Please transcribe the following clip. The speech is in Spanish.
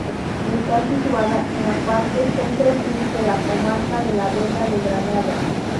Está situada en la parte centro-sur de la comarca de la Vega de Granada.